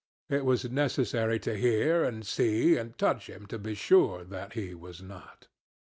It was necessary to hear and see and touch him to be sure that he was not.